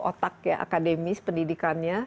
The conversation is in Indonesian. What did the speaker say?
otak ya akademis pendidikannya